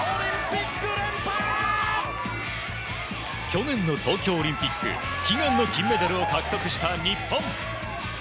去年の東京オリンピック悲願の金メダルを獲得した日本。